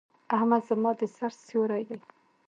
احمد زما د سر سيور دی.